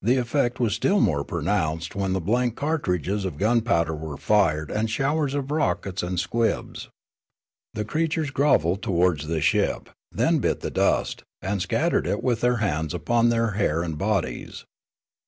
The effect was still more pronounced when blank cartridges of gun powder were fired and showers of rockets and squibs. The creatures grovelled towards the ship, then bit the dust, and scattered it with their hands upon their hair and bodies.